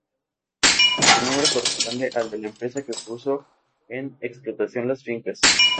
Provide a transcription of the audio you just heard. Su nombre corresponde al de la empresa que puso en explotación las fincas.